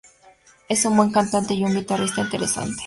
Es un buen cantante y un guitarrista interesante.